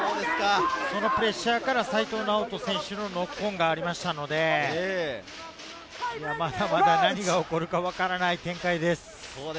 そのプレッシャーから齋藤直人選手のノックオンがありましたので、まだまだ何が起こるか分からない展開です。